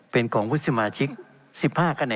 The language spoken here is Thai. เป็นของสมาชิกสภาพภูมิแทนรัฐรนดร